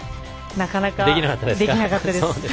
なかなかできなかったです。